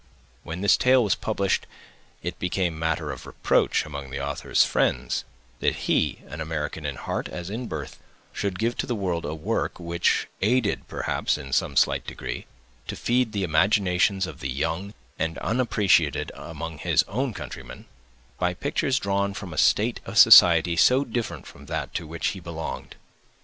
When this tale was published, it became matter of reproach among the author's friends, that he, an American in heart as in birth, should give to the world a work which aided perhaps, in some slight degree, to feed the imaginations of the young and unpracticed among his own countrymen, by pictures drawn from a state of society so different from that to which he belonged.